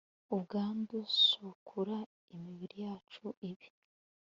ubwandu, sukura imibiri yacu ibi